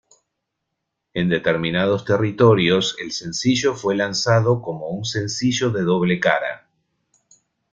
En determinados territorios, el sencillo fue lanzado como un sencillo de doble cara.